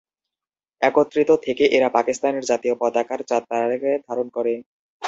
একত্রিত থেকে এরা পাকিস্তানের জাতীয় পতাকার চাঁদ-তারাকে ধারণ করে।